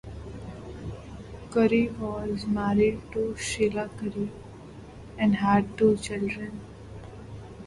Curry was married to Sheila Curry and had two children.